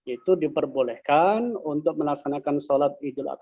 itu diperbolehkan untuk melaksanakan sholat idul adha